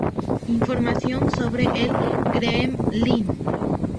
Información sobre el Gremlin